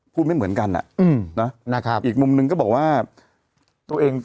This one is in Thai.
ไม่เหมือนกันอ่ะอืมนะนะครับอีกมุมหนึ่งก็บอกว่าตัวเอง